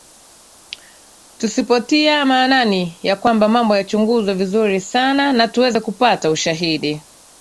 tusipotia maanani ya kwamba mambo yachunguzwe vizuri sana na tuweze kupata ushahidi